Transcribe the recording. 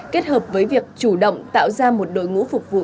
kết hợp với việc chủ động tạo ra một đội ngũ phục vụ